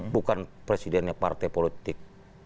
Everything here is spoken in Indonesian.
bukan presidennya partai politik